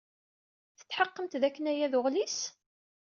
Tetḥeqqemt dakken aya d uɣlis?